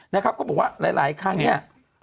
นะครับก็บอกว่าหลายครั้งเนี่ย